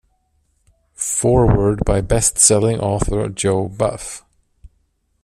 Foreword by Bestselling Author Joe Buff.